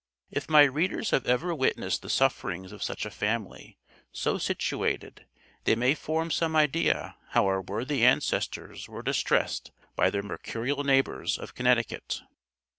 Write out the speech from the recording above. If my readers have ever witnessed the sufferings of such a family, so situated, they may form some idea how our worthy ancestors were distressed by their mercurial neighbors of Connecticut.